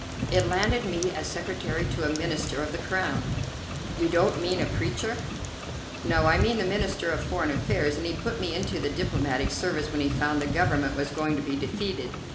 "It landed me as secretary to a Minister of the Crown." "You don't mean a preacher?" "No, I mean the Minister of Foreign Affairs, and he put me into the diplomatic service when he found the Government was going to be defeated.